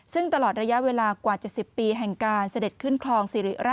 ซึ่งตลอดระยะเวลากว่า๗๐ปีแห่งการเสด็จขึ้นคลองสิริราช